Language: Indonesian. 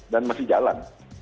dan masih jalan